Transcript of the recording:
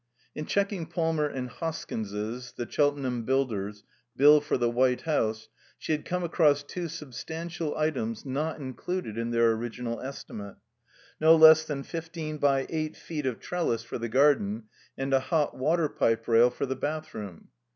In checking Palmer and Hoskins's, the Cheltenham builders, bill for the White House she had come across two substantial items not included in their original estimate: no less than fifteen by eight feet of trellis for the garden and a hot water pipe rail for the bathroom.